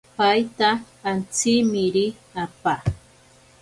Paita antsimiri apa.